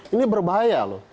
ini berbahaya loh